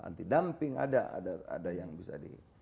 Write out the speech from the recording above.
anti dumping ada yang bisa di